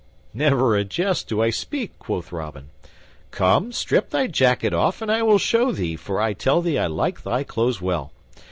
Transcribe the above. "Never a jest do I speak," quoth Robin. "Come, strip thy jacket off and I will show thee, for I tell thee I like thy clothes well.